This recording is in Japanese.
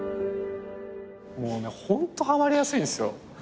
もうねホントはまりやすいんですよ。